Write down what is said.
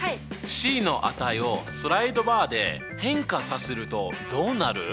ｃの値をスライドバーで変化させるとどうなる？